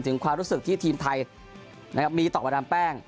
ความรู้สึกที่ทีมไทยมีต่อมาดามแป้ง